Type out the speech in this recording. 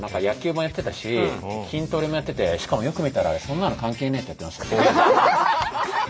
野球もやってたし筋トレもやっててしかもよく見たら「そんなの関係ねぇ！」ってやってました。